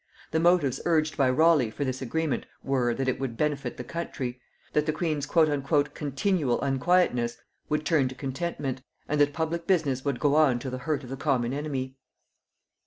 The motives urged by Raleigh for this agreement were, that it would benefit the country; that the queen's "continual unquietness" would turn to contentment, and that public business would go on to the hurt of the common enemy.